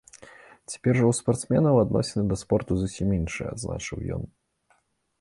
Цяпер жа ў спартсменаў адносіны да спорту зусім іншыя, адзначыў ён.